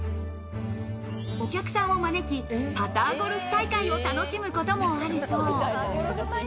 お客さんを招きパターゴルフ大会を楽しむこともあるそう。